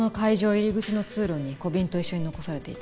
入り口の通路に小瓶と一緒に残されていた。